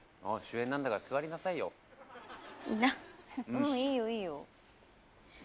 ［うん。いいよいいよ。］